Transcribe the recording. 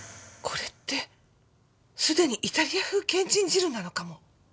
これってすでにイタリア風けんちん汁なのかも。